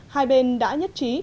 hai bên đã nhất trí